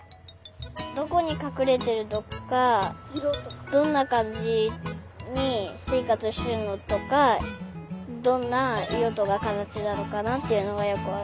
どこにかくれてるとかどんなかんじにせいかつしてるのとかどんないろとかかたちなのかなっていうのがよくわかりました。